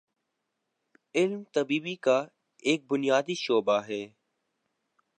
علم طبیعی کا ایک بنیادی شعبہ ہے